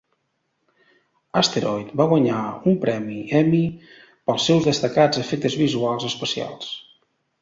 "Asteroid" va guanyar un premi Emmy pels seus destacats efectes visuals especials.